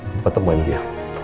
biar papa temuin dia